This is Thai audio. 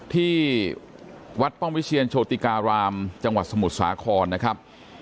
ที่วัดป้องวิเชียนโชติการามจังหวัดสมุทรสาครนะครับ